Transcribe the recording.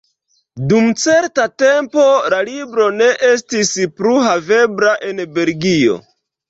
Dum certa tempo la libro ne estis plu havebla en Belgio.